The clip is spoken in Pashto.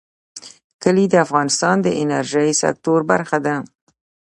کلي د افغانستان د انرژۍ سکتور برخه ده.